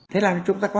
thế là chúng ta có